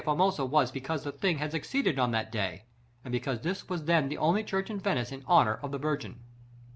Formosa was because the thing had succeeded on that day, and because this was then the only church in Venice in honor of the Virgin."